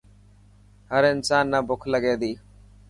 هر انسان نا بک لگي تي.